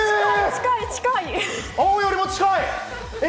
青よりも近い！